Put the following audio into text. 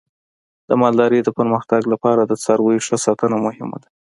د مالدارۍ د پرمختګ لپاره د څارویو ښه ساتنه مهمه ده.